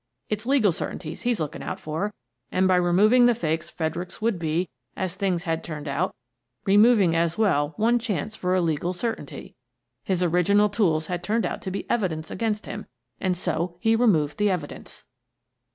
It's legal certainties he's looking out for, and by removing the fakes Fredericks would be — as things had turned out — removing as well one chance for a legal certainty. His original tools had turned out to be evidence against him, and so he removed the evidence."